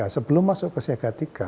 sebelum masuk ke siaga tiga